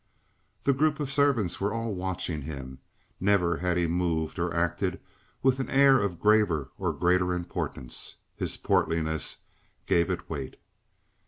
The group of servants were all watching him; never had he moved or acted with an air of graver or greater importance. His portliness gave it weight.